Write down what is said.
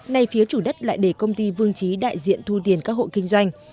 nay phía chủ đất lại để công ty vương trí đại diện thu tiền các hộ kinh doanh